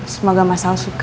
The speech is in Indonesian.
semoga mas al suka